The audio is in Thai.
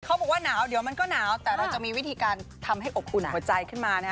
เขาบอกว่าหนาวเดี๋ยวมันก็หนาวแต่เราจะมีวิธีการทำให้อบอุ่นหัวใจขึ้นมานะฮะ